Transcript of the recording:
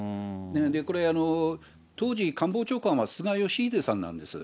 これ、当時、官房長官は菅義偉さんなんです。